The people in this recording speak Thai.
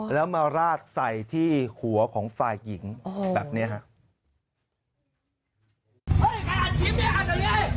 แล้วมาราดใส่ที่หัวของฝ่ายหญิงแบบนี้ครับ